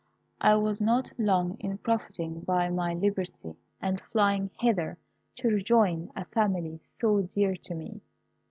I was not long in profiting by my liberty, and flying hither to rejoin a family so dear to me."